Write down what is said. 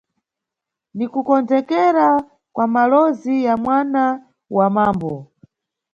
Ni kukonzekera kwa malowozi ya mwana wa mambo.